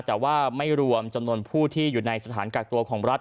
แต่ว่าไม่รวมจำนวนผู้ที่อยู่ในสถานกักตัวของรัฐ